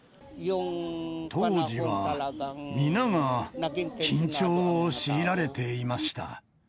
当時は皆が緊張を強いられていました。